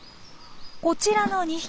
こちらの２匹。